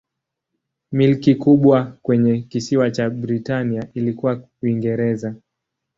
Milki kubwa kwenye kisiwa cha Britania ilikuwa Uingereza.